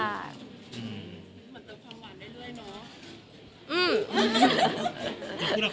เหมือนเติมความหวานได้เรื่อยเนาะ